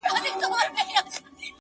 پښتنه ده آخير،